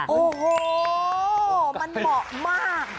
โอ้โหมันเหมาะมาก